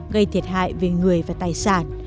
gây thiệt hại về người và tài sản